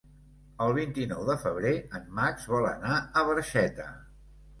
El vint-i-nou de febrer en Max vol anar a Barxeta.